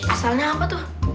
asalnya apa tuh